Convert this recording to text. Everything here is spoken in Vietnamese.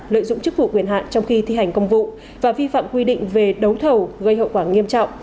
lợi dụng chức vụ quyền hạn trong khi thi hành công vụ và vi phạm quy định về đấu thầu gây hậu quả nghiêm trọng